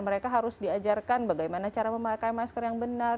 mereka harus diajarkan bagaimana cara memakai masker yang benar